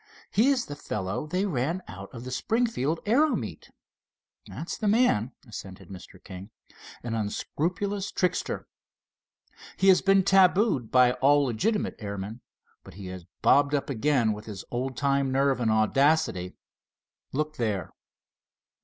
"He is the fellow they ran out of the Springfield aero meet." "That's the man," assented Mr. King, "an unscrupulous trickster. He has been tabooed by all legitimate airmen, but he has bobbed up again with his old time nerve and audacity. Look there."